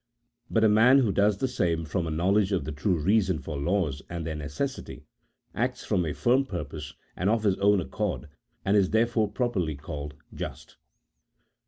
But a man who does the same from a knowledge of the true reason for laws and their necessity, acts from a firm purpose and of his own accord, and is therefore properly called just.